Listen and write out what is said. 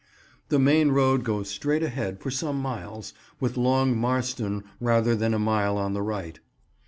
The main road goes straight ahead for some miles, with Long Marston rather more than a mile on the right.